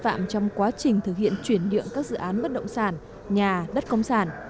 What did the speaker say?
các dự án đất đai bị phạm trong quá trình thực hiện chuyển nhượng các dự án bất động sản nhà đất công sản